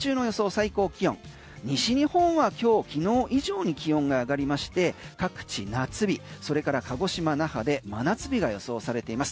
最高気温西日本は今日昨日以上に気温が上がりまして、各地夏日それから鹿児島、那覇で真夏日が予想されています。